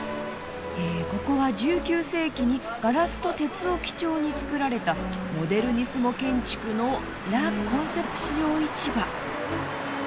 えここは１９世紀にガラスと鉄を基調に造られたモデルニスモ建築のラ・コンセプシオ市場。